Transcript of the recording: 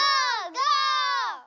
ゴー！